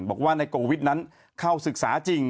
บอกว่านายโกวิทย์นั้นเข้าศึกษาจริง